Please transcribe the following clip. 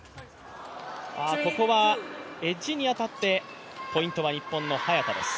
ここはエッジに当たって、ポイントは日本の早田です。